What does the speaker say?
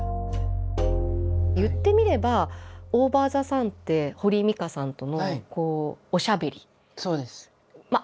言ってみれば「ＯＶＥＲＴＨＥＳＵＮ」って堀井美香さんとのおしゃべり。